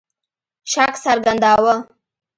شک څرګنداوه.